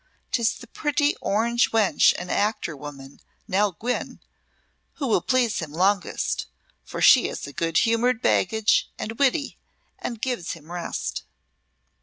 'Tis the pretty orange wench and actor woman Nell Gwynne who will please him longest, for she is a good humoured baggage and witty, and gives him rest."